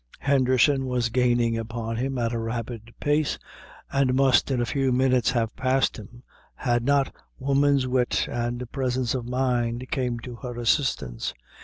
Henderson was gaining upon him at a rapid rate, and must in a few minutes have passed him, had not woman's wit and presence of mind come to her assistance.